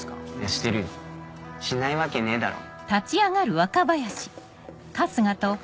してるよしないわけねえだろ。